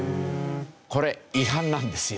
これ違反なんですよ。